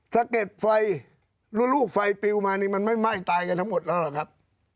สะเก็ดไฟแล้วลูกไฟปลิวมานี่มันไม่ไหม้ตายกันทั้งหมดแล้วหรอกครับ